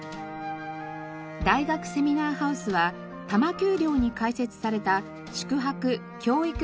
大学セミナーハウスは多摩丘陵に開設された宿泊・教育研修施設です。